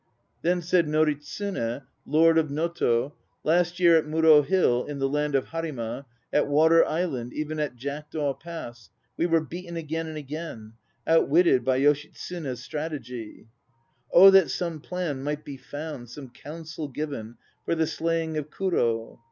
Then said Noritsune, Lord of Noto, "Last year at Muro Hill in the land of Harima, At Water Island, even at Jackdaw Pass, We were beaten again and again ; outwitted By Yoshitsune's strategy. Oh that some plan might be found, some counsel given For the slaying of Kurd."